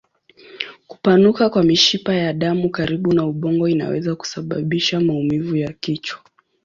Kupanuka kwa mishipa ya damu karibu na ubongo inaweza kusababisha maumivu ya kichwa.